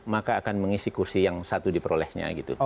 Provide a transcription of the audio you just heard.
maka akan mengisi kursi yang satu diperolehnya gitu